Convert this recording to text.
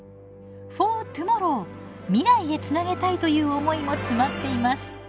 フォートゥモロー未来へつなげたいという思いも詰まっています。